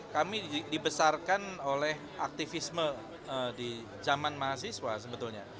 kami dibesarkan oleh aktivisme di zaman mahasiswa sebetulnya